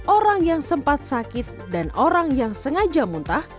orang yang sempat sakit dan orang yang sengaja muntah